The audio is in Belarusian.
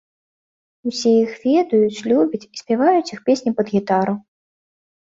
Усе іх ведаюць, любяць і спяваюць іх песні пад гітару.